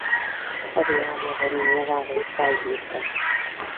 O Diario de Nimiedades vai disto.